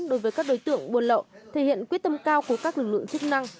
đối với các đối tượng buôn lậu thể hiện quyết tâm cao của các lực lượng chức năng